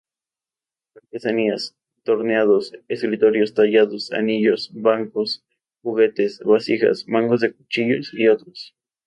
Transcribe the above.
Artesanía: torneados, escritorios, tallados, anillos, bancos, juguetes, vasijas, mangos de cuchillos y otros.